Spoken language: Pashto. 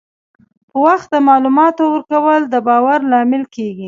په وخت د معلوماتو ورکول د باور لامل کېږي.